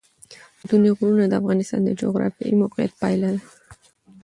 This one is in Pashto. ستوني غرونه د افغانستان د جغرافیایي موقیعت پایله ده.